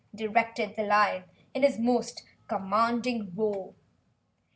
directed the lion in his most commanding roar!